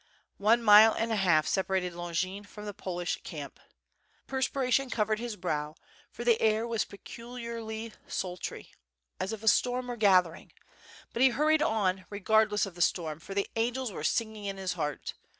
'' One mile and a half separated Longin from the Polish camp. Perspiration covered his brow, for the air was pecu liarly sultry, as if a storm were gathering; but he hurried on regardless of the storm, for the angels were singing in his heart.